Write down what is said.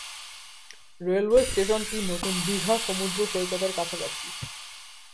Railway স্টেশনটি নতুন দীঘা সমুদ্র সৈকতের কাছাকাছি।